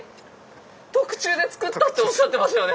特注でつくったっておっしゃってましたよね。